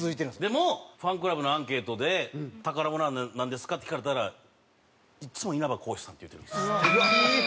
でもファンクラブのアンケートで「宝物はなんですか？」って聞かれたらいつも「稲葉浩志さん」って言うてるんです。